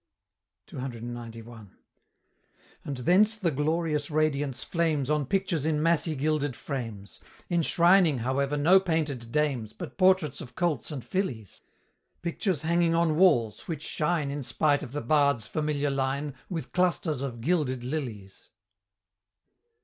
CCXCI. And thence the glorious radiance flames On pictures in massy gilded frames Enshrining, however, no painted Dames, But portraits of colts and fillies Pictures hanging on walls, which shine, In spite of the bard's familiar line, With clusters of "Gilded lilies."